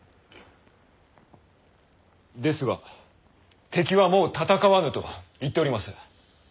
ですが敵はもう戦わぬと言っております。